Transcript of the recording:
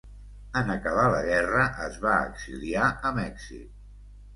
En acabar la guerra es va exiliar a Mèxic.